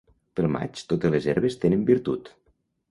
Pel maig totes les herbes tenen virtut.